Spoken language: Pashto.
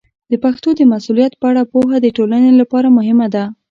د پښتو د مسوولیت په اړه پوهه د ټولنې لپاره مهمه ده.